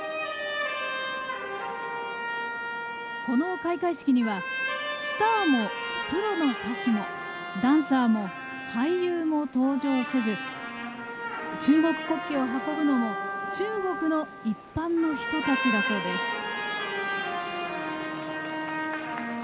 この開会式にはスターもプロの歌手もダンサーも俳優も登場せず中国国旗を運ぶのも中国の一般の人たちだそうです。